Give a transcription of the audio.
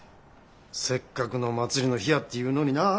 せっかくの祭りの日やっていうのにな。